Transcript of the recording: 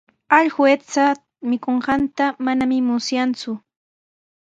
Allqu aycha mikunqanta manami musyaaku.